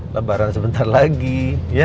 lebaran sebentar lagi ya